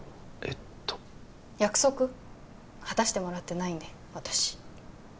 えっと約束果たしてもらってないんで私